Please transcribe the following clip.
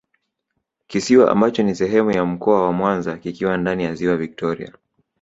kisiwa ambacho ni sehemu ya Mkoa wa Mwanza kikiwa ndani ya Ziwa Victoria